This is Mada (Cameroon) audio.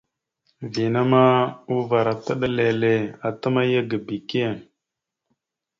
Vina ma uvar atəɗálele atəmáya ebeke.